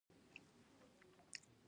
آیا الله بخښونکی دی؟